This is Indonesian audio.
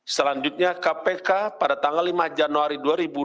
selanjutnya kpk pada tanggal lima januari dua ribu dua puluh